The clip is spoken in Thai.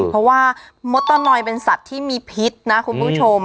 เพราะว่ามดตะนอยเป็นสัตว์ที่มีพิษนะคุณผู้ชม